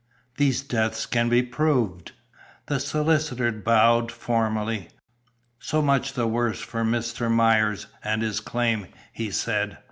These deaths can be proved." The solicitor bowed formally. "So much the worse for Mr. Myers and his claim," he said.